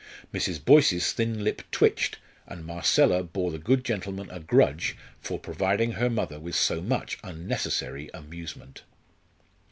Mrs. Boyce's thin lip twitched, and Marcella bore the good gentleman a grudge for providing her mother with so much unnecessary amusement.